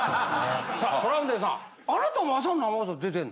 さあトラウデンさん。